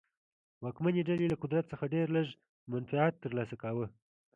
واکمنې ډلې له قدرت څخه ډېر لږ منفعت ترلاسه کاوه.